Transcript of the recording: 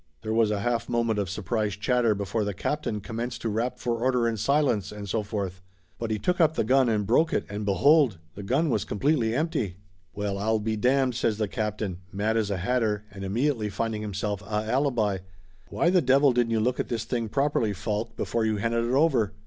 There was a half moment of surprised chatter before the captain commenced to rap for order and silence, and so forth. But he took up the gun and broke it, and behold ! the gun was completely empty ! "Well, I'll be damned!" says the captain, mad as a hatter and immediately finding himself a alibi. "Why the devil didn't you look at this thing properly, Faulk, before you handed it over?